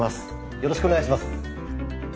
よろしくお願いします。